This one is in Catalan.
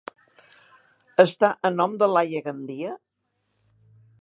Està a nom de Laia Gandia?